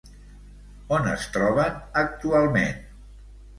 On es troben actualment?